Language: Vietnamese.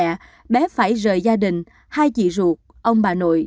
của bố mẹ bé phải rời gia đình hai chị ruột ông bà nội